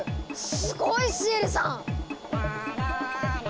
すごい！シエリさん！